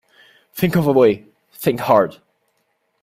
Think of a way — think hard.